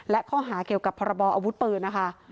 และข้อหาเกี่ยวกับพรบออาวุธปืนนะคะ